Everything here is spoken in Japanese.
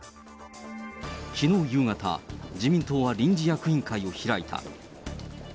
きのう夕方、自民党は臨時役員会を開いた。